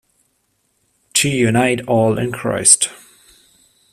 "To Unite All in Christ".